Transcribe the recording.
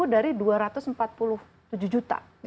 dua puluh dari dua ratus empat puluh tujuh juta